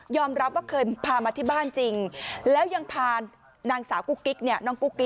ยอมรับว่าเคยพามาที่บ้านจริงแล้วยังพานางสาวกุ๊กกิ๊กเนี่ย